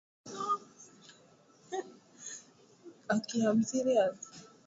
wa wilaya na jimbo la Washington vimepokea majina kutokana nayeMkwawa au kwa jina